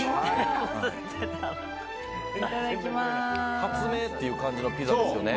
発明っていう感じのピザですよね。